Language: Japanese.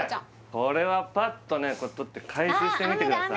これはパッとね取って回収してみてください